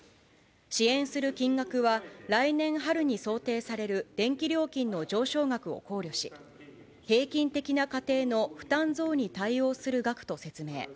支援する金額は、来年の春に想定される電気料金の上昇額を考慮し、平均的な家庭の負担増に対応する額と説明。